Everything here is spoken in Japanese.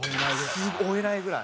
追えないぐらい。